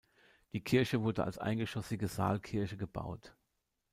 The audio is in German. Die Kirche wurde als eingeschossige Saalkirche gebaut.